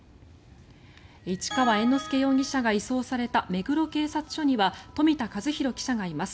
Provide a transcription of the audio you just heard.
市川猿之助容疑者が移送された目黒警察署には冨田和裕記者がいます。